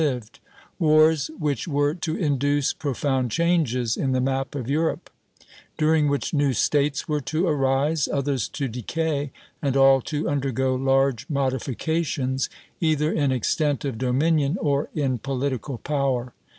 lived, wars which were to induce profound changes in the map of Europe; during which new States were to arise, others to decay, and all to undergo large modifications, either in extent of dominion or in political power.